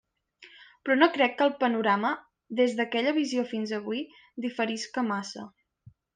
Però no crec que el panorama, des d'aquella visió fins avui, diferisca massa.